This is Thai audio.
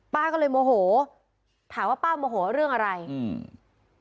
ป้าก็เลยโมโหถามว่าป้าโมโหเรื่องอะไรอืม